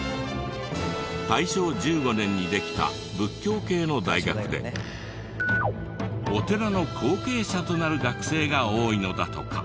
大正１５年にできた仏教系の大学でお寺の後継者となる学生が多いのだとか。